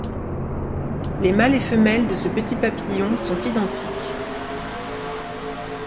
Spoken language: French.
Les mâles et femelles de ce petit papillon sont identiques.